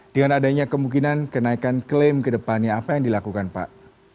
dengan adanya kemungkinan kenaikan klaim ke depannya apa yang dilakukan pak